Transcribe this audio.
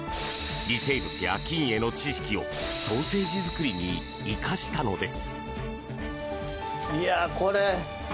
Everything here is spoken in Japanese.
微生物や菌への知識をソーセージ作りに生かしたのです。